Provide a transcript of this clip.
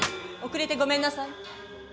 遅れてごめんなさい。